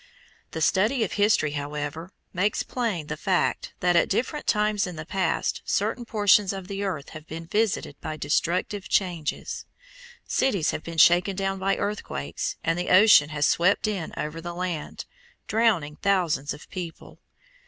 The study of history, however, makes plain the fact that at different times in the past certain portions of the earth have been visited by destructive changes. Cities have been shaken down by earthquakes, and the ocean has swept in over the land, drowning thousands of people.